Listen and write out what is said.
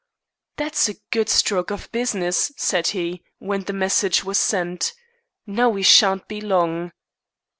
"That's a good stroke of business," said he, when the message was sent. "Now we shan't be long!"